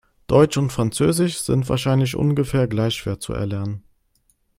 Deutsch und Französisch sind wahrscheinlich ungefähr gleich schwer zu erlernen.